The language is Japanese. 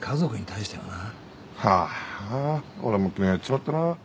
ああ俺も昨日やっちまったな。